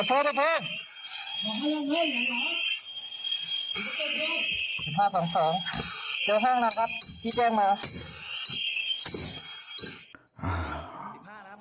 สิบห้าสองสองเจอห้างนะครับพี่แจ้งมา